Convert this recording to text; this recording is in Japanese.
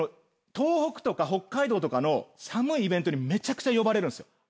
東北とか北海道とかの寒いイベントにめちゃくちゃ呼ばれるんすよ。